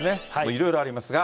いろいろありますが。